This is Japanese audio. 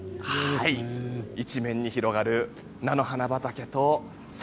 一面に広がる菜の花畑と桜。